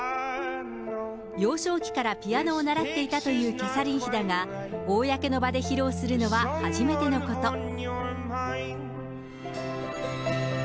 幼少期からピアノを習っていたというキャサリン妃だが、公の場で披露するのは初めてのこと。